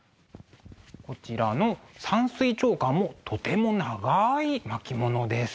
こちらの「山水長巻」もとても長い巻物です。